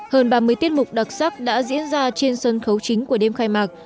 hơn ba mươi tiết mục đặc sắc đã diễn ra trên sân khấu chính của đêm khai mạc